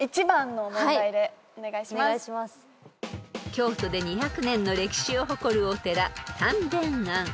［京都で２００年の歴史を誇るお寺単伝庵］